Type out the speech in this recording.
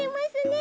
え？